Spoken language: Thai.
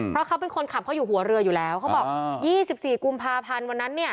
เพราะเขาเป็นคนขับเขาอยู่หัวเรืออยู่แล้วเขาบอก๒๔กุมภาพันธ์วันนั้นเนี่ย